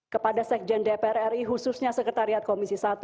kepada sekjen dpr ri khususnya sekretariat komisi satu